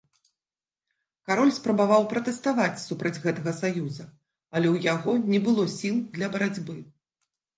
Кароль спрабаваў пратэставаць супраць гэтага саюза, але ў яго не было сіл для барацьбы.